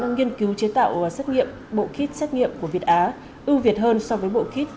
nghiên cứu chế tạo xét nghiệm bộ kit xét nghiệm của việt á ưu việt hơn so với bộ kit